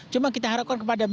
cuma kita harapkan kepada